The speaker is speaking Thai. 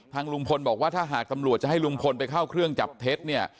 ลุงพลบอกว่าถ้าหากตำรวจจะให้ลุงพลไปเข้าเครื่องจับเท็จเนี่ย